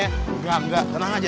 engga engga tenang aja